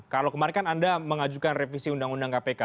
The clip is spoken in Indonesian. kalau kemarin kan anda mengajukan revisi undang undang kpk